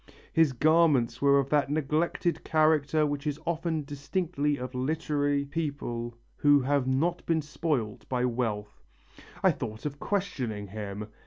His garments were of that neglected character which is often distinctive of literary people who have not been spoilt by wealth.... "I thought of questioning him.